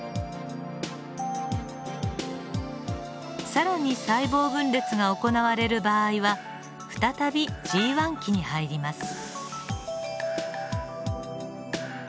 更に細胞分裂が行われる場合は再びＧ期に入ります。